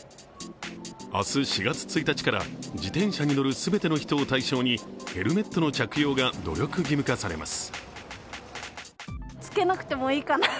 明日、４月１日から自転車に乗る全ての人を対象にヘルメットの着用が努力義務化されます。